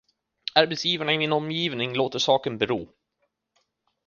Arbetsgivarna i min omgivning låter saken bero.